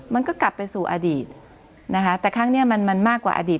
มันก็กลับไปสู่อดีตนะคะแต่ครั้งเนี้ยมันมันมากกว่าอดีต